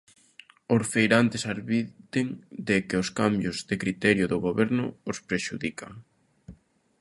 Os feirantes advirten de que os cambios de criterio do Goberno os prexudican.